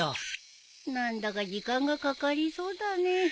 何だか時間がかかりそうだね。